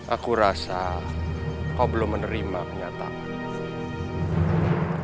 aku rasa kau belum menerima kenyataan